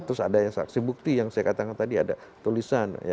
terus ada yang saksi bukti yang saya katakan tadi ada tulisan